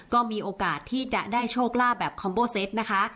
ก็มีโอกาสที่จะได้โชคลาภแบบคอมโบเซตนะคะ